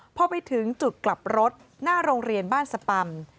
พอไปถึงจุดกลับรถหน้าโรงเรียนบ้านสปำ